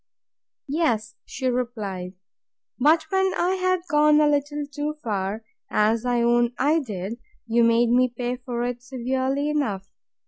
Yes, replied she: but when I had gone a little too far, as I own I did, you made me pay for it severely enough!